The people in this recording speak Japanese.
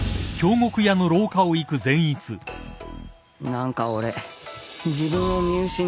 何か俺自分を見失ってた